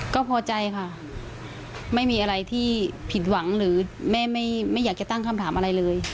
ก็พอใจค่ะไม่มีอะไรที่ผิดหวังหรือแม่ไม่อยากจะตั้งคำถามอะไรเลย